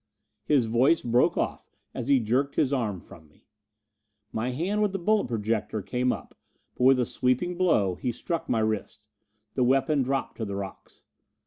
His voice broke off as he jerked his arm from me. My hand with the bullet protector came up, but with a sweeping blow he struck my wrist. The weapon dropped to the rocks.